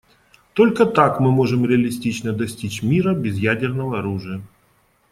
Только так мы можем реалистично достичь мира без ядерного оружия.